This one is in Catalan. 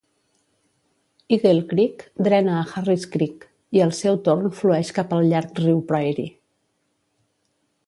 Eagle Creek drena a Harris Creek, i al seu torn flueix cap al llarg riu Prairie.